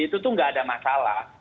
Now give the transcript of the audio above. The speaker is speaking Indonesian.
itu tuh nggak ada masalah